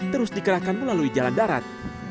terus dikerahkan melalui jalan darat